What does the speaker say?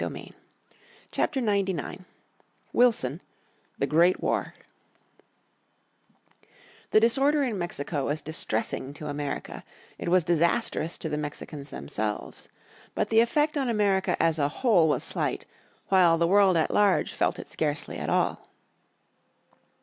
__________ Chapter 99 Wilson The Great War The disorder in Mexico was distressing to America, it was disastrous to the Mexicans themselves. But the effect of America as a whole was slight, while the world at large felt it scarcely at all.